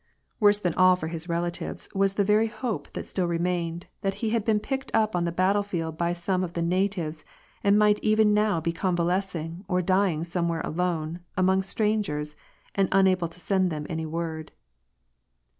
Worse than all for his relatives was the very hope that still remained that he had been picked up on the battle field by some of the natives, and might be even now convalescing or dying some : where alone, among strangers, and unable to send them any ! word.